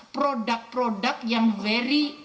produk produk yang very